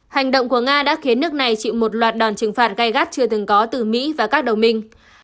hành động của nga đã khiến nước này chịu một loạt đòn trừng phạt gai gắt chưa từng có từ mỹ và các đồng minh